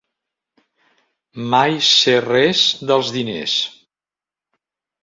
Mai sé res dels diners.